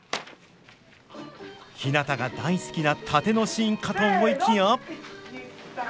ひなたが大好きな殺陣のシーンかと思いきや。